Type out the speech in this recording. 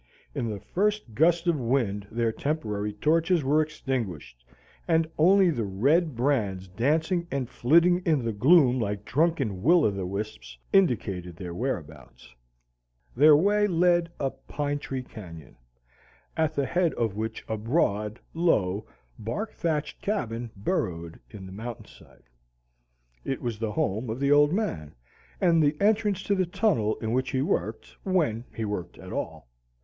In the first gust of wind their temporary torches were extinguished, and only the red brands dancing and flitting in the gloom like drunken will o' the wisps indicated their whereabouts. Their way led up Pine Tree Canyon, at the head of which a broad, low, bark thatched cabin burrowed in the mountain side. It was the home of the Old Man, and the entrance to the tunnel in which he worked when he worked at all.